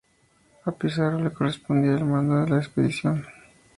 A Pizarro le correspondía el mando de la expedición.